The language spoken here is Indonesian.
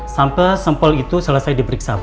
sample sample itu selesai diperiksa bu